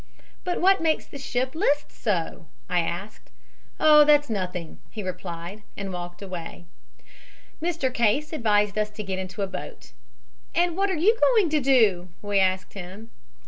"'But what makes the ship list so?' I asked. "'Oh, that's nothing,' he replied, and walked away. "Mr. Case advised us to get into a boat. "'And what are you going to do?' we asked him.